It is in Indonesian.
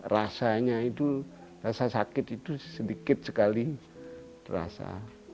rasanya itu rasa sakit itu sedikit sekali terasa